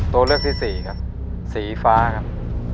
ตัวเลือกที่สี่ครับสีฟ้าครับ